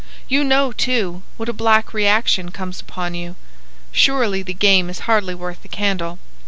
You know, too, what a black reaction comes upon you. Surely the game is hardly worth the candle.